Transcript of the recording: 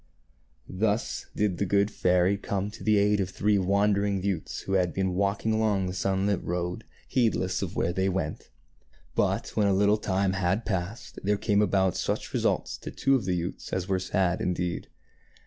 Thus did the good fairy come to the aid of the three wandering youths who had been walking along the sunlit road, heedless of where they went. But, when a little time had passed, there came about such results to two of the youths as were sad indeed.